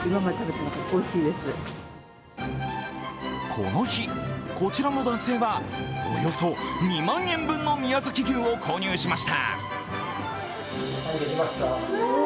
この日、こちらの男性はおよそ２万円分の宮崎牛を購入しました。